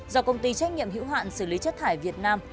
do công ty trách nhiệm hữu hạn xử lý chất thải việt nam